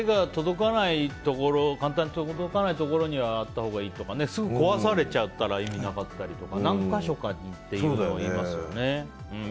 手が簡単に届かないところにあったほうがいいとかすぐ壊されちゃったら意味ないとか何か所かにって言いますよね。